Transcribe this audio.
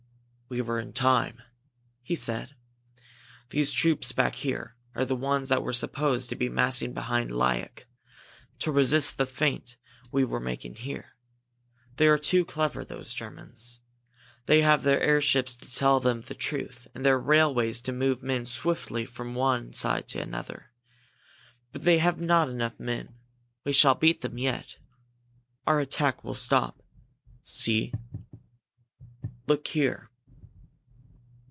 "We were in time!" he said. "These troops back here are the ones that were supposed to be massing behind Liok, to resist the feint we were making there. They are too clever, those Germans! They have their airships to tell them the truth, and their railways to move men swiftly from one side to another. But they have not enough men! We shall beat them yet. Our attack will stop. See look here!"